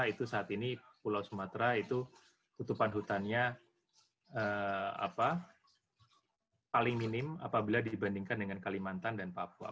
itu saat ini pulau sumatera itu tutupan hutannya paling minim apabila dibandingkan dengan kalimantan dan papua